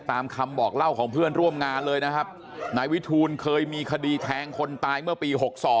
ตามคำบอกเล่าของเพื่อนร่วมงานเลยนะครับนายวิทูลเคยมีคดีแทงคนตายเมื่อปี๖๒